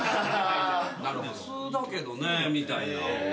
「普通だけどね」みたいな。